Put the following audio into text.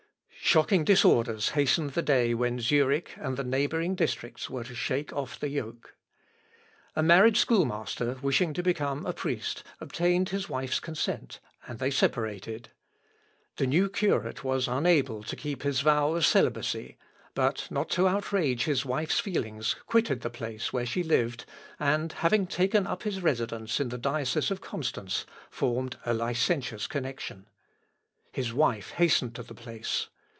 Shocking disorders hastened the day when Zurich and the neighbouring districts were to shake off the yoke. A married schoolmaster wishing to become a priest, obtained his wife's consent, and they separated. The new curate was unable to keep his vow of celibacy, but not to outrage his wife's feelings quitted the place where she lived, and, having taken up his residence in the diocese of Constance, formed a licentious connection. His wife hastened to the place.